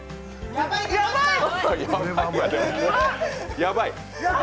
やばい！